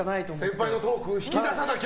先輩のトーク引き出さなきゃ！